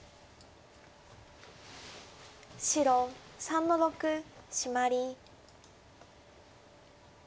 白３の六シマリ。